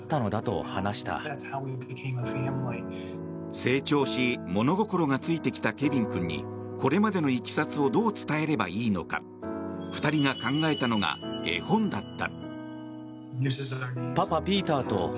成長し物心がついてきた、ケビン君にこれまでのいきさつをどう伝えればいいのか２人が考えたのが絵本だった。